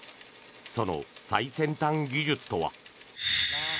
その最先端技術とは。